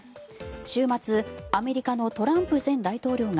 週末アメリカのトランプ前大統領が